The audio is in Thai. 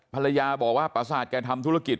ภรรยาบอกว่าประสาทแกทำธุรกิจ